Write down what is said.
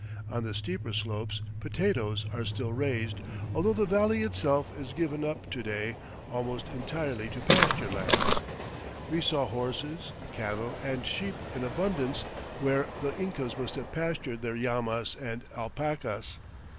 On the steeper slopes potatoes are still raised, although the valley itself is given up to day almost entirely to pasture lands. We saw horses, cattle, and sheep in abundance where the Incas must have pastured their llamas and alpacas.